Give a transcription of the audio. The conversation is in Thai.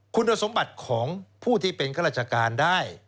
คุณสมบัติของผู้ที่เป็นข้าราชการได้